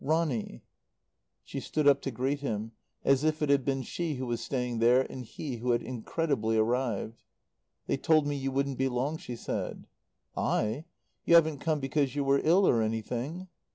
"Ronny " She stood up to greet him, as if it had been she who was staying there and he who had incredibly arrived. "They told me you wouldn't be long," she said. "I? You haven't come because you were ill or anything?"